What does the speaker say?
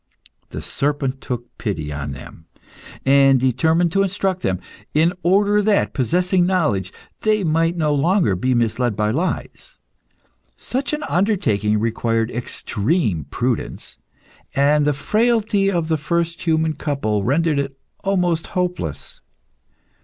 The serpent took pity on them, and determined to instruct them, in order that, possessing knowledge, they might no longer be misled by lies. Such an undertaking required extreme prudence, and the frailty of the first human couple rendered it almost hopeless.